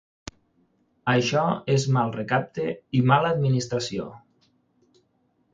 Això és mal recapte i mala administració.